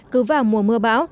cứ vào mùa mưa bão